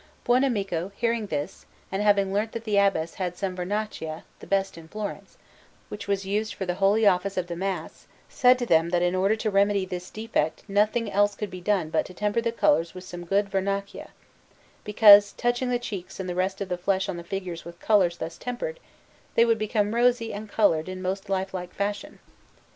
Buonamico, hearing this, and having learnt that the Abbess had some Vernaccia, the best in Florence, which was used for the holy office of the Mass, said to them that in order to remedy this defect nothing else could be done but to temper the colours with some good Vernaccia; because, touching the cheeks and the rest of the flesh on the figures with colours thus tempered, they would become rosy and coloured in most lifelike fashion.